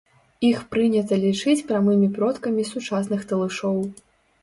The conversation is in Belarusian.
Іх прынята лічыць прамымі продкамі сучасных талышоў.